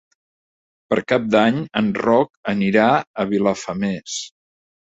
Per Cap d'Any en Roc anirà a Vilafamés.